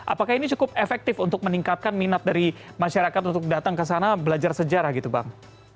apakah ini cukup efektif untuk meningkatkan minat dari masyarakat untuk datang ke sana belajar sejarah gitu bang